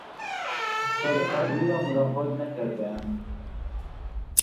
تا بحال او را ملاقات نکردهام.